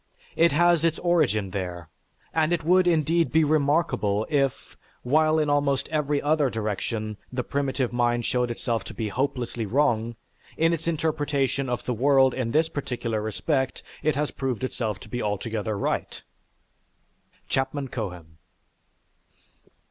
It has its origin there, and it would indeed be remarkable, if, while in almost every other direction the primitive mind showed itself to be hopelessly wrong, in its interpretation of the world in this particular respect, it has proved itself to be altogether right." (_Chapman Cohen.